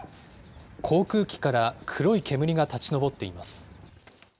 航空機から黒い煙が立ち上っています。